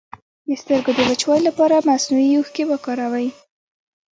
د سترګو د وچوالي لپاره مصنوعي اوښکې وکاروئ